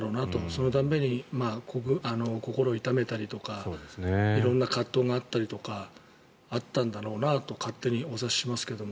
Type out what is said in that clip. その度に、心を痛めたりとか色んな葛藤があったりとかあったんだろうなと勝手にお察ししますけど。